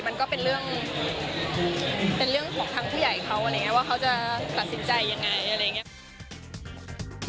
มันก็เป็นเรื่องเป็นเรื่องของทางผู้ใหญ่เขาอะไรอย่างนี้ว่าเขาจะตัดสินใจยังไงอะไรอย่างนี้